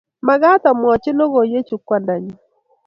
magaat amwachi logoiywechu kwanda nyuu